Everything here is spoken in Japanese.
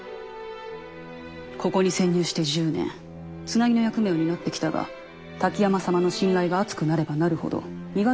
ここに潜入して１０年つなぎの役目を担ってきたが滝山様の信頼が厚くなればなるほど身軽に外へ出られなくなった。